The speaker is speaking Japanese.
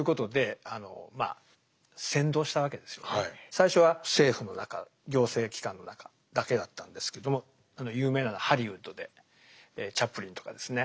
最初は政府の中行政機関の中だけだったんですけども有名なのはハリウッドでチャップリンとかですね